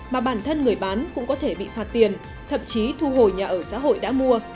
mà bản thân người bán cũng có thể bị phạt tiền thậm chí thu hồi nhà ở xã hội đã mua